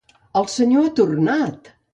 El senyor ha tornat!